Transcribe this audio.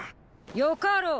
よかろう。